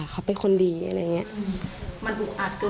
เขาเป็นคนดีอะไรอย่างนี้